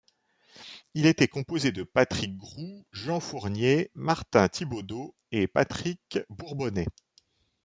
Il était composé de Patrick Groulx, Jean Fournier, Martin Thibaudeau et Patrick Bourbonnais.